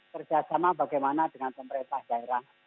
kerjasama bagaimana dengan pemerintah daerah